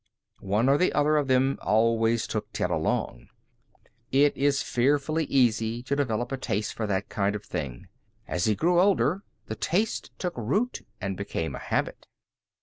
One or the other of them always took Ted along. It is fearfully easy to develop a taste for that kind of thing. As he grew older, the taste took root and became a habit.